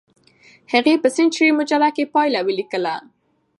هغې په سنچري مجله کې پایله ولیکله.